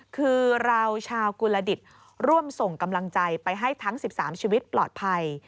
คือเราชาวกุลดิตร่วมส่งกำลังใจไปให้ทั้ง๑๓ชีวิตปลอดภัย